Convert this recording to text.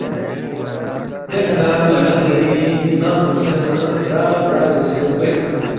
دیکھہ نہ ن٘دان٘ی ننگ نُو کھیرے نہ درا درا بیاسے بگوید